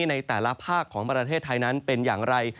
ในแต่ละภาคของประเทศไทยนั้นเป็นอย่างไร